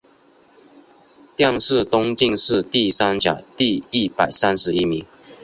殿试登进士第三甲第一百三十一名。